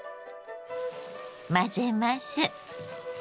混ぜます。